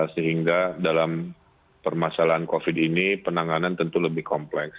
sehingga dalam permasalahan covid ini penanganan tentu lebih kompleks